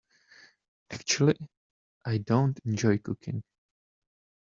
Actually, I don't enjoy cooking.